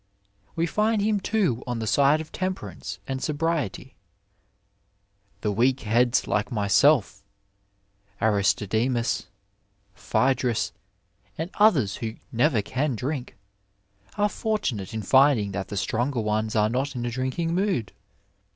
We find him, too, on the side of t»n perance and sobriety: "The weak heads like myself, Aristodemus, PhsBdms, and others who never can drink, are fortmiate in finding that the stronger ones are not in a drinking mood.